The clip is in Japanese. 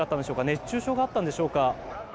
熱中症だったんでしょうか。